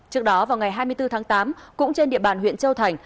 trước đó vào ngày hai mươi bốn tháng tám cũng trên địa bàn huyện châu thành